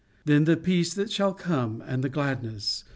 Then the peace that shall come and the gladness